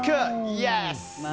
イエス！